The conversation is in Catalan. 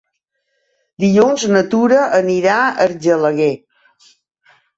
Dilluns na Tura anirà a Argelaguer.